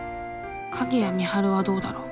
鍵谷美晴はどうだろう？